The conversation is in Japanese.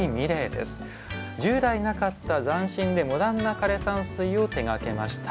従来なかった斬新でモダンな枯山水を手がけました。